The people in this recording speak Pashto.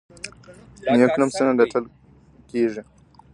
نیک نوم څنګه ګټل کیږي؟